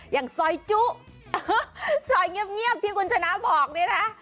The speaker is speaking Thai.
อย่างซอยจุซอยเงียบที่คุณชนะบอกนี่นะ